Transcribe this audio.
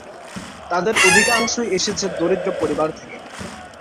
তাদের অধিকাংশই এসেছে দরিদ্র পরিবার থেকে।